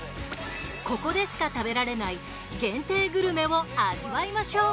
ここでしか食べられない限定グルメを味わいましょう。